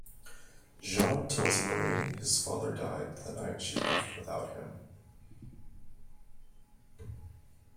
Jean tells Marie his father died the night she left without him.